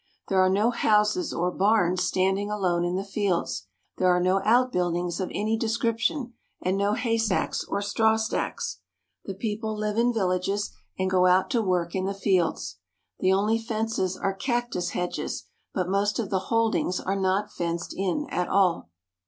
There are no houses or barns standing alone in the fields. There are no outbuildings of any description, and no haystacks or strawstacks. The peo ple live in villages and go out to work in the fields. Tht only fences are cactus hedges, but most of the holdings are not fenced in at all.